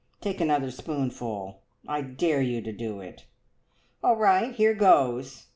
Take another spoonful I dare you to do it!" "All right, here goes!